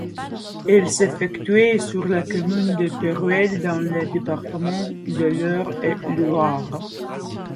Elle s'effectuait sur la commune de Perruel dans le département de l'Eure et Loir.